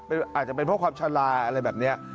อาจจะเป็นเพราะความชะลาอะไรแบบนี้